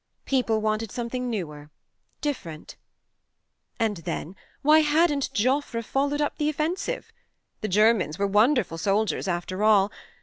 People wanted something newer ... different. ... And then, why hadn't Joffre followed up the offensive ? The Germans were wonderful soldiers after all.